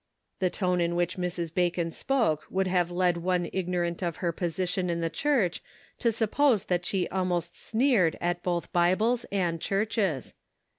" The tone in which Mrs. Bacon spoke would have led one ignorant of her position in the church to suppose that she almost sneered at both Bibles and churches.